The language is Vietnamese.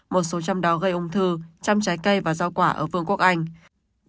một số trong đó gây ung thư trong trái cây và rau quả ở vương quốc anh